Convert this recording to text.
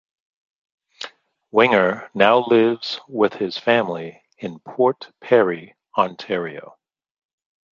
Winger now lives with his family in Port Perry, Ontario.